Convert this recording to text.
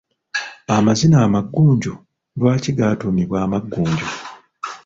Amazina amaggunju, lwaki gaatuumibwa amaggunju?